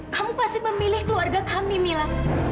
kamu pasti memilih keluarga kami mila